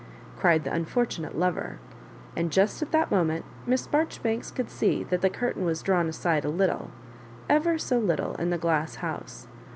cried the unfortunate lover; and just at that moment Miss Maijoribanks could see that the curtain was drawn aside a little — ever so little — in the glass house.